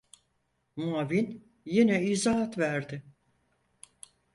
Muavin yine izahat verdi.